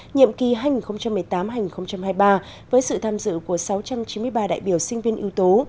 nhiệm kỳ hai nghìn một mươi tám hai nghìn hai mươi ba với sự tham dự của sáu trăm chín mươi ba đại biểu sinh viên ưu tố